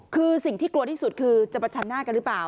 คือสิ่งที่กลัวที่สุดคือจะประชันหน้ากันหรือเปล่า